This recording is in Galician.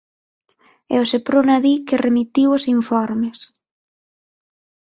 E o Seprona di que remitiu os informes.